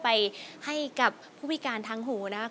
ไปให้กับผู้พิการทางหูนะครับ